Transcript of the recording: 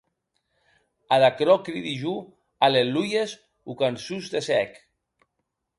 Ad aquerò cridi jo allelluies o cançons de cèc.